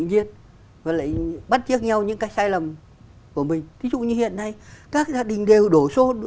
nhiên và lại bắt chiếc nhau những cái sai lầm của mình thí dụ như hiện nay các gia đình đều đổ xô